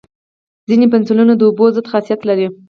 ځینې پنسلونه د اوبو ضد خاصیت لري.